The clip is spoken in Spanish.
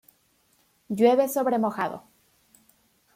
Llueve sobre mojado